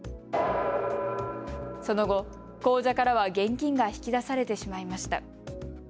その後、口座からは現金が引き出されてしまいました。